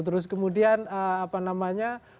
terus kemudian apa namanya